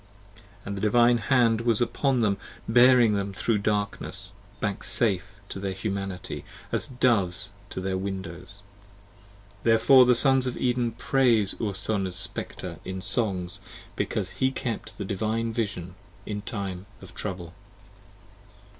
And the Divine hand was upon them bearing them thro' darkness, Back safe to their Humanity as doves to their windows: Therefore the Sons of Eden praise Urthona's Spectre in Songs 15 Because he kept the Divine Vision in time of trouble.